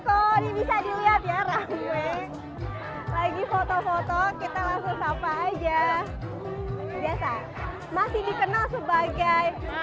kok bisa dilihat ya runway lagi foto foto kita langsung sapa aja biasa masih dikenal sebagai